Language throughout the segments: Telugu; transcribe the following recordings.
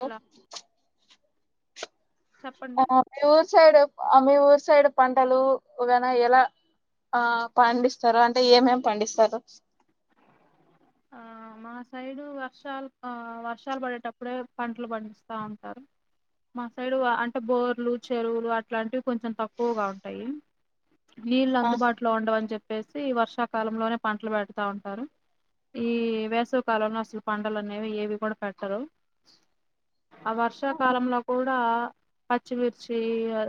అ హలో చెప్పండి ఆ మీ ఊరు సైడ్ అ మీ ఊరు సై సైడ్ పంటలు వగైరా ఎలా ఆ పండిస్తారు అంటే ఏమేం పండిస్తారు? ఆ మా సైడు వర్షాలు ఆ వర్షాలు పడేటప్పుడే పంటలు పండిస్తా ఉంటారు మా సైడు అంటే బోర్లు చెరువులు అట్లాంటివి కొంచెం తక్కువగా ఉంటాయి. నీళ్లు ఆ అందుబాటులో ఉండవు అని చెప్ చెప్పేసి వర్షాకాలంలోనే పంటలు పెడతా ఉంటారు ఈ వేసవి కాలంలో అసలు పంటలు అనేవి ఏవి కూడా పెట్టరు. ఆ వర్షాకాలంలో కూడా పచ్చిమిర్చి ఆ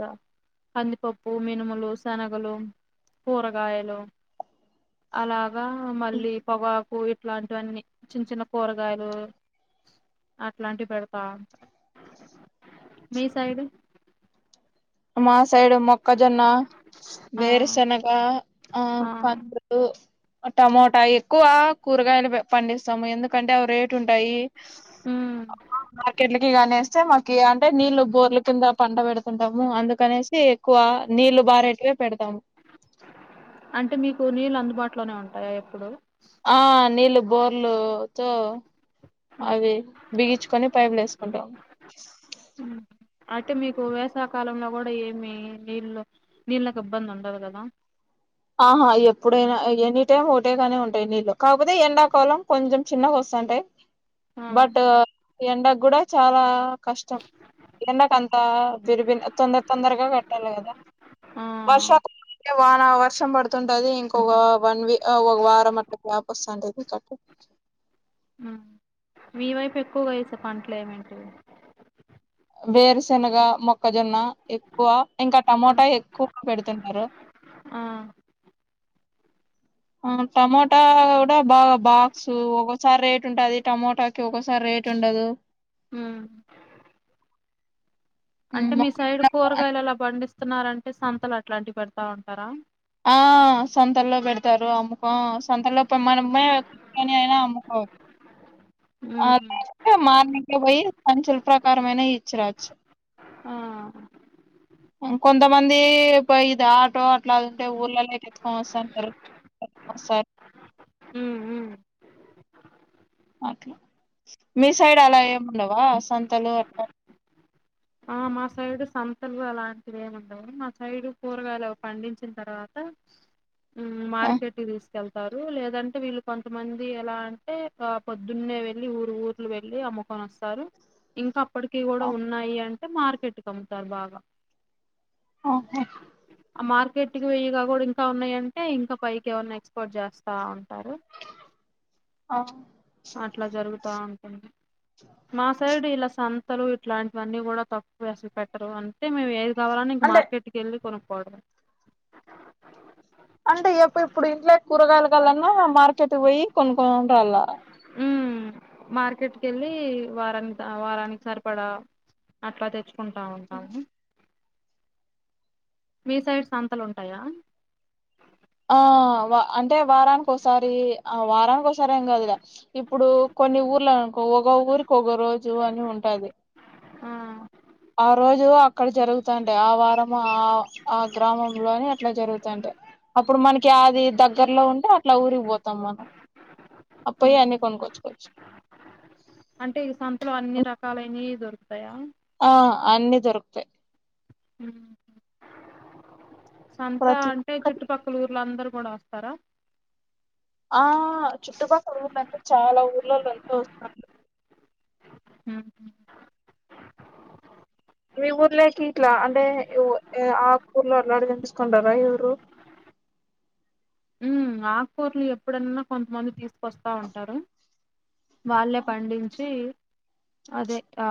కందిపప్పు, మినుములు, శనగలు, కూరగాయలు అలాగా మళ్ళీ పొగా పో ఇట్లాంటివన్నీ చిన్న చిన్న కూరగాయలు అట్లాంటివి పెడతాఉం మీ సైడు మా సైడు మొక్కజొన్న, ఆ వేరుశనగ ఆ కందులు టమోటా ఎక్కువ కూరగాయలు పండిస్తాము ఎందుకంటే అవి రేట్ టుంటాయి ఉమ్ మార్కెట్లకి కాని వేస్తే మాకి అంటే నీళ్లు బోర్లు కింద పండ బెడుతుంటాం ము అందుకనేసి ఎక్కువ నీళ్లు బారేటివే పెడతాము ట్లోనే ఉంటాయా ఎప్పుడు ఆ నీళ్లు బోర్లు తో ఉమ్ అవి బిగించుకొని పైపులు వేసుకుంటాం. అయితే మీకు వేసవి కాలంలో కూడా ఏమి నీళ్లు నీళ్లకు ఇబ్బంది ఉండదు కదా ఆహా ఎప్పుడైనా ఎనీ టైమ్ ఒకటేగానే ఉంటాయి నీళ్ళు కాకపోతే ఎండాకాలం కొంచెం చిన్నగా వస్తుంటాయి. ఆ బట్ ఎండకు కూడా చాలా కష్టం ఎండకంత తురుబి తొందర తొందరగా కట్టాలి కదా ఆ వర్షాకాలం లోవాన పడుతుంటది ఇంకొక వన్ వీ ఒక వారం అట్లా గేప్ వస్తుంటది కట్ ఆ మీవైపు ఎక్కువగా వేసే పంట్లు ఏమేంటివి వేరుశెనగ మొ క్కజొన్న ఎక్కువ ఇంకా ఆ టమోటా ఎక్కువ పెడుతున్నారు ఆ ఆ టమోటా కూడా బాగా బాక్స్ ఒక్కోసారి రేటు ఉంటది టమోటా ఒక్కోసారి రేట్ ఉండదు ఉమ్ హ్మ్ అంటే మొక్క మీ సైడ్ కూరగాయలు అలా పండిస్ తున్నారంటే సంతలు అట్లాంటివి పెడతా ఉంటారా ఆ సంతల్లో పెడతారు అమ్ముకో ఆ సొంతల్లో పోయ్ మనంబోయ్ కూచ్చోని అయినా అమ్ముకో ఉహు [unintelligible] మార్నింగ్ కేపోయి అంచుల ప్రకారంమయిన ఇచ్చిరాచ్చు ఆ ఆ కొందర్, మందిపోయిదా ఆటో ట్లాగంటే ఊర్లల్లోకి ఎత్తుకొని వస్సాంటారు ఒక్కోసార్ ఉమ్ ఉమ్ అట్లా మీ సైడ్ అలా ఏముండవా సంతలు అట్లా ఆ మా సైడు సంతలు అలాంటివి ఏముండవు, మా సైడు కూరగాయలు పండించిన తర్వాత మ్మ్ ఆ, మార్కెట్ కి తీసుకెల్ తారు లేదంటే వీళ్ళు కొంతమంది ఎలా అంటే ఆ పొద్దున్నే వెళ్ళి ఊరు ఊర్లు వెళ్ళి అమ్ముకొని వస్తారు, ఇంకా అప్పడికీ కూడా ఆ, ఉన్నాయి అం టే మార్కెట్ కి అమ్ముతారు బాగా ఓహో ఆ మార్కెట్ కి వెయ్యగా కూడా ఇంకా ఉన్నాయి అంటే ఇంకా పైకి ఏవనా ఎక్స్‌పోర్ట్ చేస్తాం ఆ అట్లా జరుగుతా అంటుంది మాసై ఇలా సంతలు ఇట్లాంటివన్నీ కూడా తక్కువసలు పెట్టరు అంటే మేము వరం అంటే మార్కెట్ వెళ్లి కొ ప అంటే ఇప్పు ఇప్పుడు ఇంట్లో కూరగాయల కలన్నా మార్కెట్ పోయి కొనుకుొంటళ్ల మార్కెట్కి వెళ్ళలి వారానికి వారానికి సరిపడా అట్పాతచ్చు కుంటా ఉంటాము మీ సైడ్ సంతాలు ఉంటాయా ఆ అంటే వారానికి ఒకసారి ఆ వారానికి ఒకసారి ఏం కాదు కదా ఇప్పుడు కొన్ని ఊర్లు అనుకో ఒక ఊరికి ఒక రోజు అని ఉంటది ఆ ఆ రోజు అక్కడ జరుగుతంటే ఆ వారం ఆ ఆ గ్రామంలోని అట్లా జరుగుతుంటే అప్పుడు మనకి అది దగ్గరలో ఉంటే అట్లా ఊరిగిపోతాం మనం అబ్బాయి హ్మ్. అన్న కొనుక్కొచ్చుకోవచ్చు అంటే ఈ సంతలో అన్ని రకాలైన ఇ కృపయా ఆ అన్ని దొరుకుతాయి హ్మ్. సంత ప్రతి అంటే ఒక్కటి చుట్టుపక్కల ఊర్లు అందరు కూడా వస్తారా ఆ చుట్టుపక్కల ందంటే చాలా ఊర్లలో అ మీ ఊర్లేకి ఇట్లా అంటే ఆ ఊర్లో అలా అడిగ తీసుకోండారా ఇఊరు ఉ ఆకుకూర్లు ఎప్పుడన్నా కొంతమంది తీసుకొస్తా ఉంటారు వాళ్ళే పండించి అదే ఆ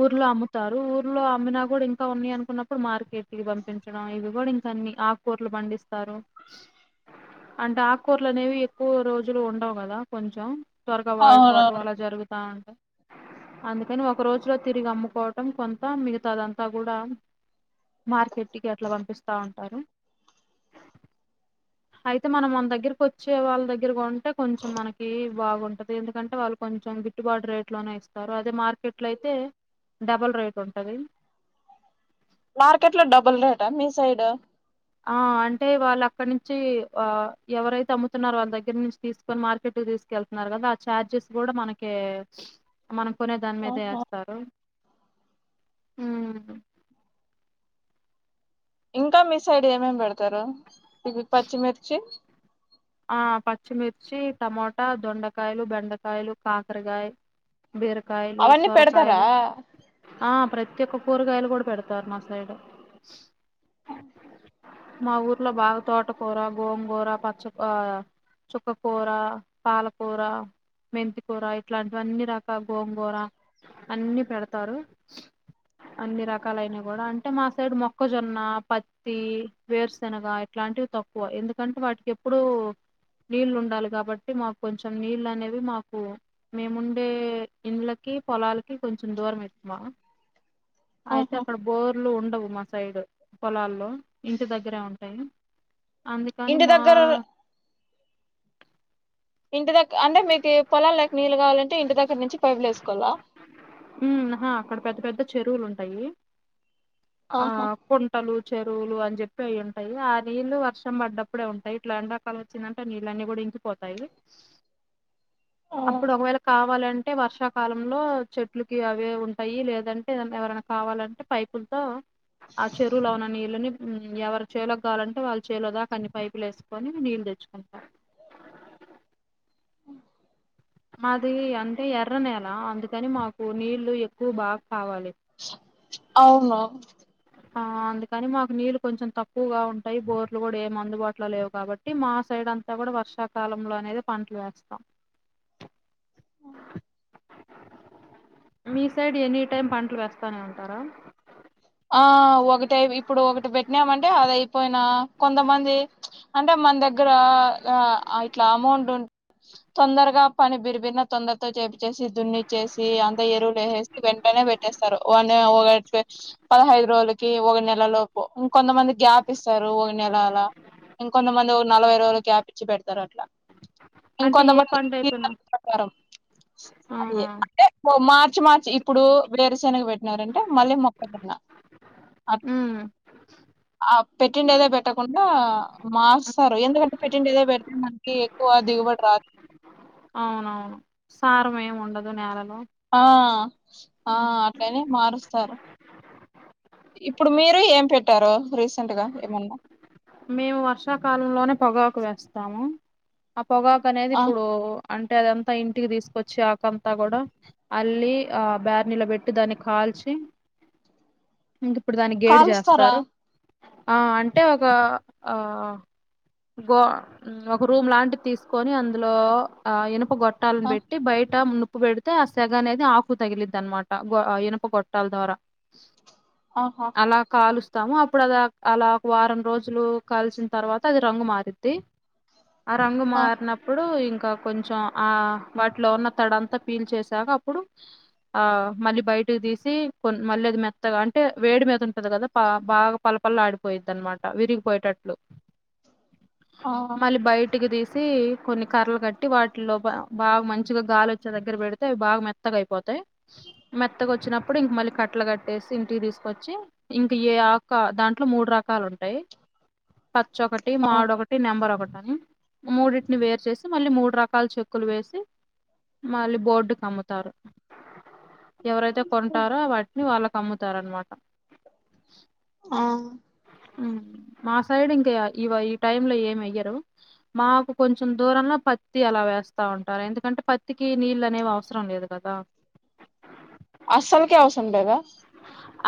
ఊర్లో అమ్ముతారు ఊర్లో అమ్మినా కూడా ఇంకా ఉన్నాయి అనుకున్నప్పుడు మార్కెట్కి పంపించడం ఇవి కూడా ఇంక అన్ని ఆకుకూరలు పండిస్తారు అంటే ఆకూరలు అనేవి ఎక్కువ రోజులు ఉండవు కదా కొంచెం త్వరగా అవునవును వాడిపోవటం అలా జరుగుతా ఉంటంది అందుకని ఒక రోజులో తిరిగి అమ్ముకోవటం కొంత మిగతా అదంతా కూడా మార్కెట్ ఇటికి ఎట్లా పంపిస్తా అరు అయితే మనం మన దగ్గరకు వచ్చే వాళ్ళ దగ్గరకు ఉంటే కొంచెం మనకి బాగుంటుంది ఎందుకంటే వాళ్ళు కొంచెం గిట్టుబాటు రేట్లోనే ఇస్తారు అదే మార్కెట్లో అయితే డబల్ రేట్ ఉంటుంది మార్కెట్ లో డబల్ రేట్ా మీ సైడ్ ఆ అంటే వాళ్ళు అక్కడ నుంచి ఆ ఎవరైతే అమ్ముతున్నారు వాళ్ళ దగ్గర నుంచి తీసుకొని మార్కెట్కి తీసుకెళ్తున్నారు కదా ఆ చఛార్జెస్ కూడా మనక మన కొనే దాని మీద ఆహా, వేస్తారు అ ఇంకా మీ సైడ్ ఏమేమి పెడతారు ఇ పచ్చిమిర్చి ఆ పచ్చిమిర్చి టమోటా దొండకాయలు బెండకాయలు కాకరకాయ బీరకాయలు అవన్నీ పెడతారా సొరకాయలు ఆ ప్రత్యేక పోరు కయలు కూడా పెడతారున్నా ఆ సైడ్ ఆ మా ఊర్లో బాగా తోటకూర గోంగూర పచ్చ ఆ చుక్కకూర పాలకూర మెంతికూర ఇట్లాంటివి అన్ని రకాల గోంగూర అన్ని పెడతారు అన్ని రకాలయినా కూడా అంటే మా సైడ్ మొక్కజొన్న పత్తి వేరుశెనగ ఇట్లాంటివి తక్కువ ఎందుకంటే వాటికి ఇప్పుడు నీళ్ళు ఉండాలి కాబట్టి మాకు కొంచెం నీళ్ళ అనేవి మాకు మేముండే ఇండ్ళకి పొలాలకి కొంచెం దూరం ఎతుమా అయితే ఆహా అక్కడ బోర్లు ఉండవు మా సైడ్ పొలాల్లో ఇంటి దగ్గరే ఉంటాయి అందుకని ఇంటి మా దగ్గర ఇంటి దగ్గర అంటే మీకు పొలాలు లేక నీళ్ళు కావాలంటే ఇంటి దగ్గర నుంచి పైపులు వేసుకోవాలా ఉమ్ హా అక్కడ పెద్ద పెద్ద చెరువులు ఉంటాయి ఆ ఆహా కుంటలు చెరువులు అని చెప్పి అవి ఉంటాయి ఆ నీళ్ళలు వర్షం పడ్డప్పుడే ఉంటాయి ఇట్లా ఎన్ని రకాాల వచ్చిందంటే నీళ్ళన్నీ కూడా ఇంకిపోతాయి ఆ అప్పుడు ఒకవేళ కావాలంటే అంటే వర్షాకాలంలో చెట్లకి అవే ఉంటాయి లేదంటే ఎవరైనా కావాలంటే పైపులతో ఆ చెరువులో ఉన్న నీళ్ళని ఎవరి చేలోకి కావాలంటే వాళ్ళ చేల దాకా అన్ని పైపులు వేసుకొని నీళ్ళు తెచ్చుకుంటారు మాది అంటే ఎర్రనేెల అందుకని మాకు నీళ్లు ఎక్కువ బాగా కావాలి అవును ఆ అందుకని మాకు నీళ్ళు కొంచెం తక్కువగా ఉంటాయి బోర్లు కూడా ఏమి అందుబాటులో లేవు కాబట్టి మా సైడ్ అంతా కూడా వర్షాకాలంలో అనేది పంటలు వేస్తాం మీ సైడ్ ఎనీ టైం పంటలు వేస్తానే ఉంటారా ఆ ఒకటే ఇప్పుడు ఒకటి పెట్టినామంటే అద అయిపోయినా కొంతమంది అంటే మన దగ్గర ఇట్లా అమౌంట్ ఉంట తొందరగా పని బిరిబిరిన తొందరతో చేపి వచ్చేసి దున్నిచ్చేసి అంత ఎరువులు వేసేసి వెంటనే పెట్టేస్తారు వా ఒక పదహైదు రోజులకి ఒక నెల లోపు ఇంకొంతమంది గ్యాప్ ఇస్తారు ఒక నెలలా ఇంకొంతమంది నలభై రోజులు గ్యాప్ ఇచ్చి పెడతారు అట్లా అంటే ఏ ఇంకొంతమంది పంట అయిపోయినా ప్రకారం అ ఆహా అంటే మా మ మార్చి ఇప్పుడు వేరసేనగ పెట్టినారంటే మళ్ళీ మొక్క జొన్న ఉ ఆ పెట్టిండేదే పెట్టకుండా మాస్తారు ఎందుకంటే పెట్టిండేదే పెడితే మనకి ఎక్కువ దిగుబడి రాదు సారము ఏమి ఉండదు నెల ఆ ఆ అట్లనే మారుస్తారు ఇప్పుడు మీరు ఏం పెట్టారు రస్ మేము వర్షాకాలంలోనే పొగ వేస్తాము పొగాకు అనేది ఆ ఇప్పుడు అంటే అదంతా ఇంటికి తీసుకొచ్చి ఆకంతా కూడా అల్లీ ఆ బార్నీలో పెట్టి దాన్ని కాల్చి ఇ ఇప్పుడు దాన్ని గేడ్ కాలుస్తారా చేస్తారు ఆ అంటే ఒక ఆ గో ఒక రూమ్ లాంటి తీసుకొని అందులో ఆ ఇనుప గొట్ట పట్టాలని ఆ పెట్టి బయట ము ఉప్పి పెడితే ఆ సెగ అనేది ఆకు తగిలిద్ అనమాట గొ ఇనప గొట్టాల ద్వారా ఆహా అలా కాలుస్త తాము ఇప్పుడు అద అలా ఒక వారం రోజులు కాల్చిన తర్వాత అది రంగు మారిద్ది ఆ రంగు మారినప్పుడు ఇంకా ఇకా కొంచెం ఆ వాటిలో ఉన్న తడంతా ఫీల్ చేసాక అప్పుడు ఆ మళ్ళీ బయటికి తీసి కొ మళ్ళీ అది మెత్తగా అంటే వేడి మీద ఉంటది కదా బాగా పలపళ ఆడిపోయిద్ది అన్నమాట విరిగిపోయేటట్టు ఆ మళ్ళీ బయటికి తీసి కొన్ని కర్రలు కట్టి వాటిలో బాగా మంచిగా గాలి వచ్చే దగ్గర పెడితే అవి బాగా మెత్తగా అయిపోతాయి మెత్తగా వచ్చినప్పుడు ఇంక మళ్ళీ కట్టలు కట్టేసి ఇంటికి తీసుకొచ్చి ఇంక ఆకు ఒక దాంట్లో మూడు రకాలు ఉంటాయి పచ్చ ఒకటి మాడ ఒకటి నెంబర్ ఒకటి మూడింటిని వేరు చేేసి మళ్ళీ మూడు రకాల చెక్కులు వేసి మళ్ళీ బోర్డు క అమ్ముతారు ఎవరైతే కొంటారో వాటిని వాళ్ళకు అమ్ముత అమ్ముతారు అనమాట ఆ మా సైడ్ ఇంకా ఇ ఈ టైంలో లో ఉ ఉ మా సైడ్ ఇంకా ఈ టైం లో ఏమి వేయ్యరు మాకు కొంచెం దూరంలో పత్తి అలా వేస్తా ఉంటారు ఎందుకంటే పత్తికి నీళ్ళ అనేవి అవసరం లేదు కదా అస్సలుకే అవసరం లేదా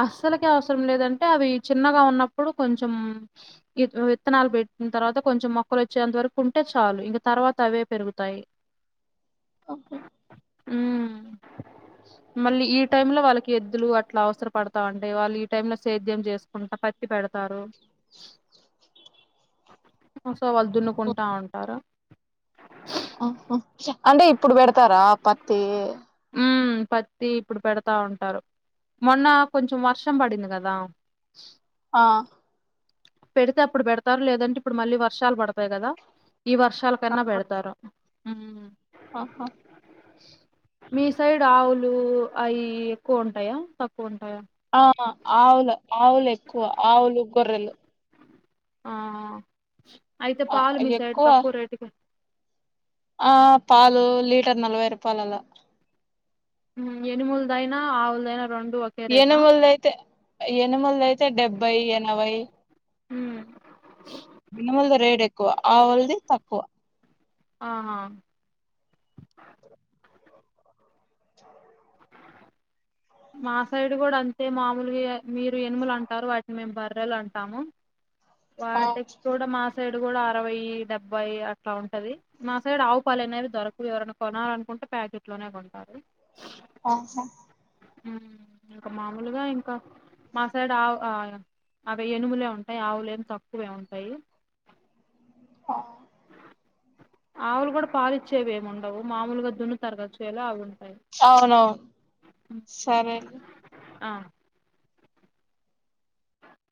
అస్సలుకే అవసరం లేదంటే అవి చిన్నగా ఉన్న అప్పుడు కొంచెం విత్తనాలు పెట్టిన తర్వాత కొంచెం మొక్కలు వచ్చేంత వరకు ఉం ఆహా ఉమ్ మళ్ళీ ఈ టైమ్ లో వాళ్ళకి ఎద్దులు అట్లా అవసర పడతా ఉంటాయి వాళ్ళు ఈ టైమ్ లో సేద్యం చేసుకుంటా ప టి పెడతారు సో వాళ్ళు దున్నుకుంటా ఉంటారు అంటే ఇప్పుడు పెడతారా పత్తి త్తి ఇప్పుడు పెడతా ఉంటారు మొన్న కొంచెం వర్షం పడింది కదా ఆ పెడితే అప్పుడు పెడతారు లేదంటే ఇప్పుడు మళ్ళీ వర్షాలు పడతాయి కదా ఈ వర్షాల కన్నా పెడతారు ఊహూ ఆహా మీ సైడ్ ఆవులు అవి ఎక్కువ ఉంటాయా తక్కువ ఉంటా ఆ ఆవులు ఆవులే ఎక్కువ ఆవులు గొర్రెలు ఆ అయితే ఆ పాలు మీ సైడ్ ఎక్కువ తక్కువ రేటుకి ఆ పాలు లీటర్ నలవై రూపాయలు అలా ఎనుములదైనా ఆవులదైనా రెండు ఒకే రేటా ఎనుములది అయితే ఎనుములది అయితే డెబ్బై ఎనభై ఉమ్ ఎనుములది రేట్ ఎక్కువ ఆవులది తక్కువ ఆహా మా సైడు కూడా అంతే ఆ, వాటికి కూ సైడ్ కూడా అరవై డెబ్బై అట్లా ఉంటది మా సైడ్ ఆవు పాలు అనేవి దొరకవు ఎవరైనా కొనాలనుకుంటే ప్యాకెట్ లోనే కొంటారు ఆహా ఉమ్ ఇంకా మామూలుగా ఇంకా మా సైడ్ ఆవు అ అవి ఏనుములే ఉంటాయి ఆవులేం తక్కువ ఉంటాయి ఆ ఆవులు కూడా పాలీచ్చేవి ఏంఉండవు మామూలుగా దున్నుతారు కదా చేలో అవి ఉంటాయి అవునవును సరే అండి ఆ